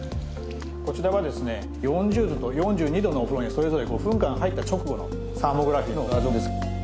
こちらはですね４０度と４２度のお風呂にそれぞれ５分間入った直後のサーモグラフィーの画像です。